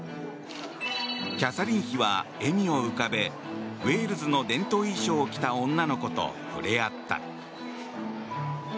キャサリン妃は笑みを浮かべウェールズの伝統衣装を着た女の子と触れ合った。